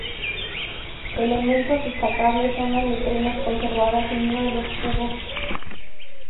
Elementos destacables son las letrinas conservadas en uno de los cubos.